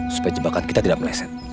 supaya jebakan kita tidak meleset